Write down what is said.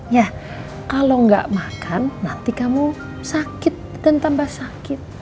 ya kalau nggak makan nanti kamu sakit dan tambah sakit